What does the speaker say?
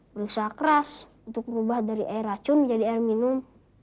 berusaha keras untuk berubah dari air racun menjadi air minum